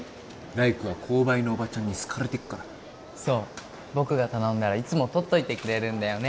来玖は購買のおばちゃんに好かれてっからそう僕が頼んだらいつも取っといてくれるんだよね